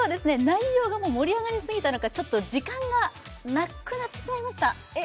内容が盛り上がりすぎたのか時間がなくなってしまいましたえ